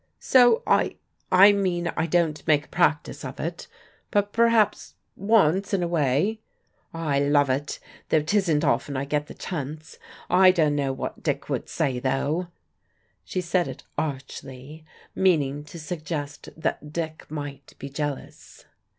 "So I I mean I don't make a practice of it. But perhaps once in a way " "I love it; though 'tisn't often I gets the chance. I dunno what Dick would say, though." She said it archly, meaning to suggest that Dick might be jealous.